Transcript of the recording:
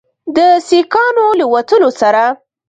د سیکانو له وتلو سره